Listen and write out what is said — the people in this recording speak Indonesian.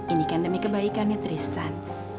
ini kan demi kebaikan ya tristan